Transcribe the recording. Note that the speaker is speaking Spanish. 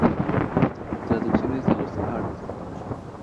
Traducciones de los Arts.